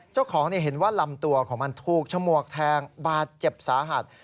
เจ้าของเห็นว่าลำตัวของมันถูกฉมวกแทงบาดเจ็บสาหัส